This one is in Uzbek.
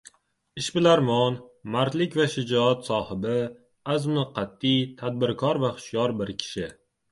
Ishbilarmon, mardlik va shijoat sohibi, azmi qat’iy, tadbirkor va hushyor bir kishi